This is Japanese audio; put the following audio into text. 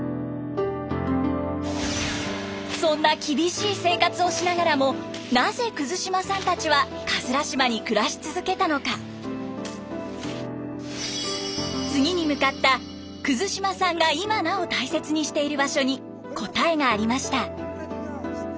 そんな厳しい生活をしながらもなぜ島さんたちは島に暮らし続けたのか次に向かった島さんが今なお大切にしている場所に答えがありました。